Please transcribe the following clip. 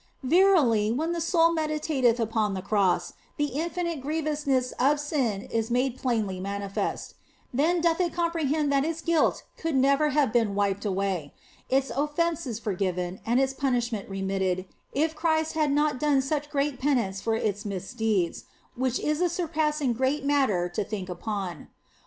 96 THE BLESSED ANGELA Verily, when the soul meditateth upon the Cross the infinite grievousness of sin is made plainly manifest ; then doth it comprehend that its guilt could never have been wiped away, its offences forgiven and its punishment re mitted if Christ had not done such great penance for its misdeeds, which is a surpassing great matter to think upon.